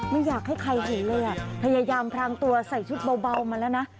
ไม่อยากให้ใครเห็นเลยอ่ะพยายามพรางตัวใส่ชุดเบามาแล้วนะ